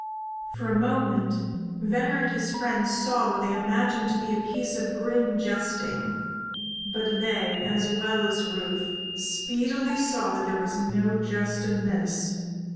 For a moment Venner and his friends saw what they imagined to be a piece of grim jesting; but they, as well as Rufe, speedily saw there was no jest in this.